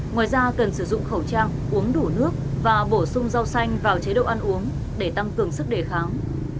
ngoài ra cần sử dụng khẩu trang uống đủ nước và bổ sung rau xanh vào chế độ ăn uống để tăng cường sức đề kháng